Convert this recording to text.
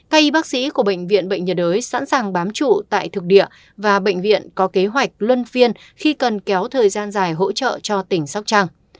cây bác sĩ của bệnh viện bệnh nhiệt đới sẵn sàng bám chủ tại thực địa và bệnh viện có kế hoạch luân phiên khi cần kéo thời gian dài hỗ trợ cho tỉnh sắp trăng